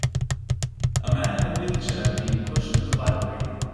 A man in a wheelchair being pushed in the library